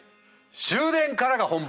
終電からが本番！